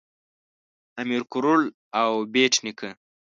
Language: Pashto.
امیر کروړ او بېټ نیکه